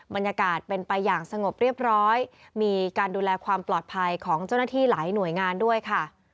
บรรยากาศเป็นไปอย่างสงบเรียบร้อยมีการดูแลความปลอดภัยของเจ้าหน้าที่หลายหน่วยงานด้วยค่ะ